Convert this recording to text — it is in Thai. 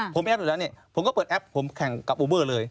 ผมก็เปิดแอปผมแข่งกับอูเบอร์เลย